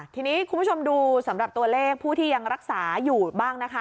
ทีนี้คุณผู้ชมดูสำหรับตัวเลขผู้ที่ยังรักษาอยู่บ้างนะคะ